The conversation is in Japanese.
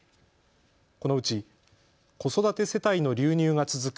このうち子育て世帯の流入が続く